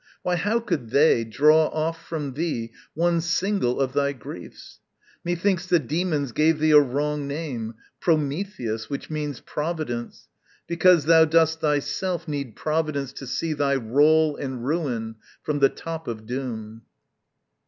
Why how could they Draw off from thee one single of thy griefs? Methinks the Dæmons gave thee a wrong name, "Prometheus," which means Providence, because Thou dost thyself need providence to see Thy roll and ruin from the top of doom.